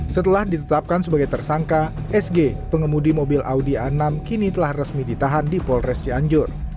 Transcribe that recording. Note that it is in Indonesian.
setelah ditetapkan sebagai tersangka sg pengemudi mobil audi a enam kini telah resmi ditahan di polres cianjur